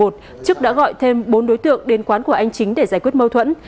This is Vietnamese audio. trước đã gọi thêm bốn đối tượng đến quán của anh chính để giải quyết mâu thuẫn